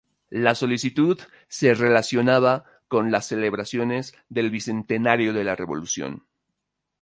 La solicitud se relacionaba con las celebraciones del bicentenario de la Revolución.